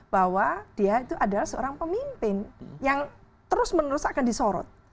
bahwa dia itu adalah seorang pemimpin yang terus menerus akan disorot